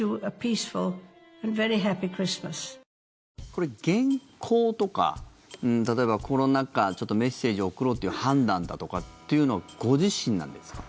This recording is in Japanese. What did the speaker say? これ、原稿とか例えばコロナ禍メッセージを送ろうっていう判断だとかっていうのはご自身なんですか？